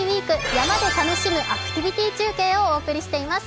山で楽しむアクティビティー中継」をお送りしています。